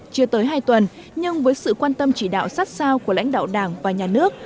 chưa tới hai tuần nhưng với sự quan tâm chỉ đạo sát sao của lãnh đạo đảng và nhà nước